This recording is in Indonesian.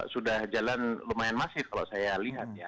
sudah jalan lumayan masif kalau saya lihat ya